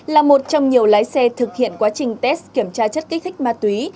là một trong nhiều lái xe thực hiện quá trình test kiểm tra chất kích thích ma túy